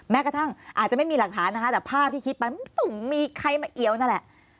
แม้กระทั่งอาจจะไม่มีหลักฐานนะคะแต่ภาพที่คิดไปมันต้องมีใครมาเอียวนั่นแหละ